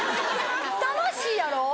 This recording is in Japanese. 楽しいやろ？